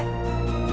mbak mbak juli